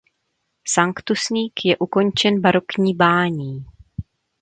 Sanktusník je ukončen barokní bání.